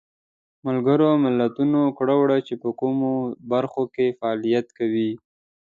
ملګرو ملتونو کړه وړه چې په کومو برخو کې فعالیت کوي.